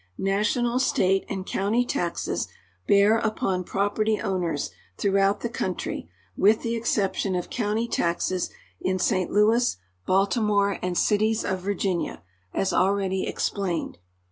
National, state, and county taxes bear upon property owners throughout the country, with the exception of county taxes in St. Louis, Baltimore, and cities of Virginia, as already explained.